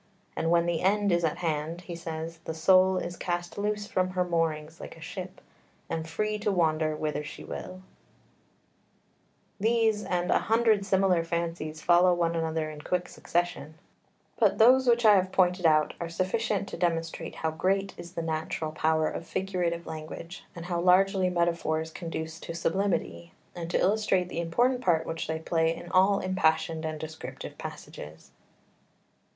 And when the end is at hand," he says, "the soul is cast loose from her moorings like a ship, and free to wander whither she will." [Footnote 5: Memorab. i. 4, 5.] [Footnote 6: Timaeus, 69, D; 74, A; 65, C; 72, G; 74, B, D; 80, E; 77, G; 78, E; 85, E.] 6 These, and a hundred similar fancies, follow one another in quick succession. But those which I have pointed out are sufficient to demonstrate how great is the natural power of figurative language, and how largely metaphors conduce to sublimity, and to illustrate the important part which they play in all impassioned and descriptive passages.